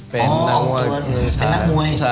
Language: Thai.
เป็นนักมวย